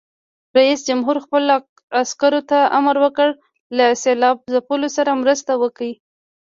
رئیس جمهور خپلو عسکرو ته امر وکړ؛ له سېلاب ځپلو سره مرسته وکړئ!